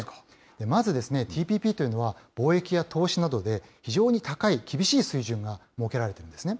まずＴＰＰというのは貿易や投資などで非常に高い、厳しい水準が設けられているんですね。